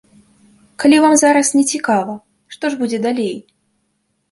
Калі вам зараз не цікава, што ж будзе далей?